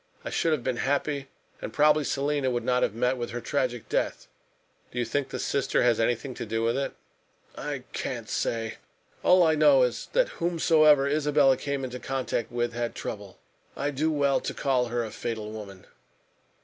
I should have been happy, and probably Selina would not have met with her tragic death." "Do you think the sister has anything to do with it?" "I can't say. All I know is that whomsoever Isabella came into contact with had trouble. I do well to call her a fatal woman."